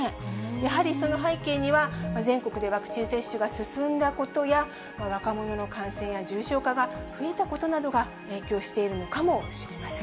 やはりその背景には、全国でワクチン接種が進んだことや、若者の感染や重症化が増えたことなどが影響しているのかもしれま